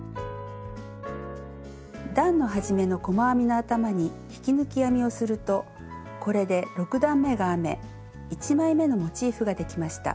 段の始めの細編みの頭に引き抜き編みをするとこれで６段めが編め１枚めのモチーフができました。